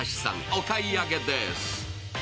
お買い上げです。